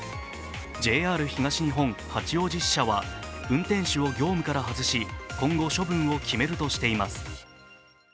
ＪＲ東日本八王子支社は運転士を業務から外し、今後処分を決めるとしています。